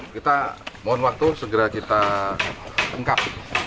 kita mohon waktu segera kita lengkap